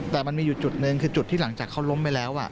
แต่มันมีอยู่จุดหนึ่งคือจุดที่หลังจากเขาล้มไปแล้ว